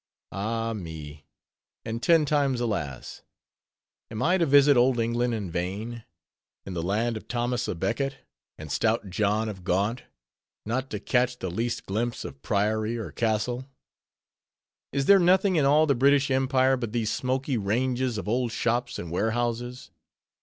Ah me, and ten times alas! am I to visit old England in vain? in the land of Thomas a Becket and stout John of Gaunt, not to catch the least glimpse of priory or castle? Is there nothing in all the British empire but these smoky ranges of old shops and warehouses?